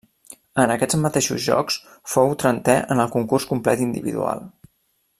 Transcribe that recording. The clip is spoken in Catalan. En aquests mateixos Jocs fou trentè en el concurs complet individual.